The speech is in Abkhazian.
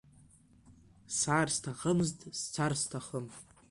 Саар сҭахымызт, сцар сҭахым.